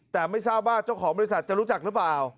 แต่ไม่ทราบว่าเจ้าของบริษัทจะรู้จักหรือเปล่า